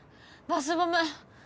バスボム？